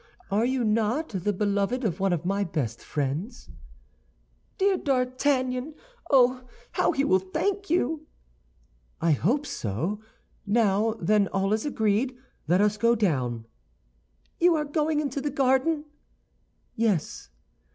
Are you not the beloved of one of my best friends?" "Dear D'Artagnan! Oh, how he will thank you!" "I hope so. Now, then, all is agreed; let us go down." "You are going into the garden?" "Yes."